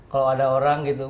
kalau ada orang gitu